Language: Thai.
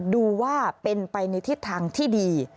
ดูว่าเป็นไปในทิศทางที่ดี